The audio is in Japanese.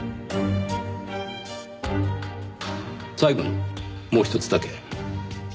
最後にもうひとつだけ。